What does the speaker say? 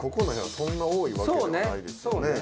そんな多いわけではないですよね。